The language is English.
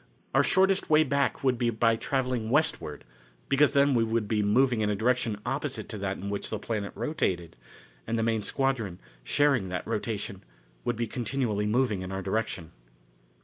Our shortest way back would be by travelling westward, because then we should be moving in a direction opposite to that in which the planet rotated, and the main squadron, sharing that rotation, would be continually moving in our direction.